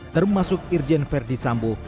termasuk irjen verdi sambo